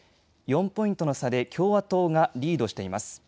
４ポイントの差で共和党がリードしています。